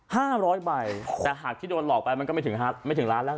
ห้ามร้อยใบแต่หากที่โดนหลอกไปมันก็ไม่ถึงล้านแล้วไง